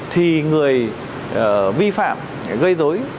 thì người vi phạm gây dối